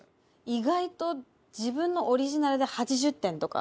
意外と自分のオリジナルで８０点とか。